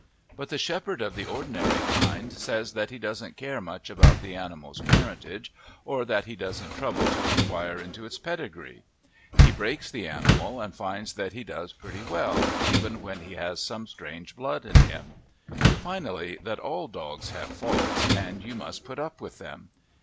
But the shepherd of the ordinary kind says that he doesn't care much about the animal's parentage, or that he doesn't trouble to inquire into its pedigree: he breaks the animal, and finds that he does pretty well, even when he has some strange blood in him; finally, that all dogs have faults and you must put up with them.